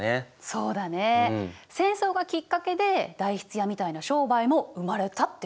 そうだね戦争がきっかけで代筆屋みたいな商売も生まれたってわけ。